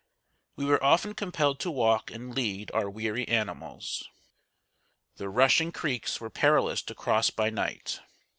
We were often compelled to walk and lead our weary animals. The rushing creeks were perilous to cross by night.